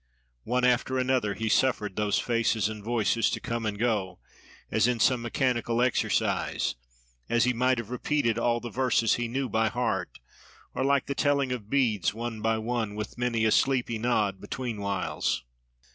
One after another, he suffered those faces and voices to come and go, as in some mechanical exercise, as he might have repeated all the verses he knew by heart, or like the telling of beads one by one, with many a sleepy nod between whiles.